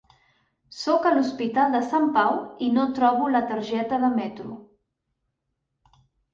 Sóc a l'Hospital de Sant Pau i no trobo la targeta de metro!